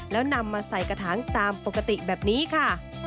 แล้วนำมาใส่กระถางตามปกติแบบนี้ค่ะ